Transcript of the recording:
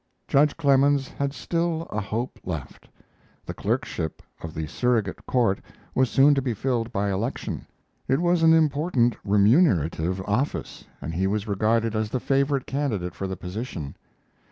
Judge Clemens had still a hope left. The clerkship of the Surrogate Court was soon to be filled by election. It was an important remunerative office, and he was regarded as the favorite candidate for the position.